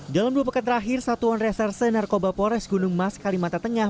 dalam dua pekan terakhir satuan reserse narkoba pores gunung mas kalimantan tengah